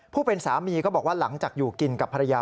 สามีก็บอกว่าหลังจากอยู่กินกับภรรยา